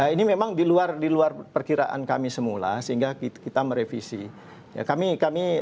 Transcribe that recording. ini memang di luar di luar perkiraan kami semula sehingga kita merevisi